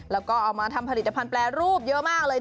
แล้วก็เอามาทำผลิตภัณฑ์แปรรูปเยอะมากเลย